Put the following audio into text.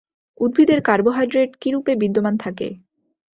উদ্ভিদের কার্বোহাইড্রেট কীরূপে বিদ্যমান থাকে?